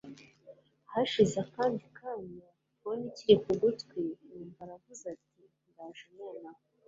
hashize akandi kanya phone ikiri kugutwi numva aravuze ati ndaje nonaha